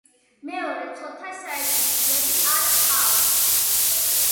მეორე ცოლთან საერთო შვილები არ ჰყავს.